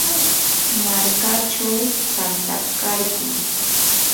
markachaw pantakarquu.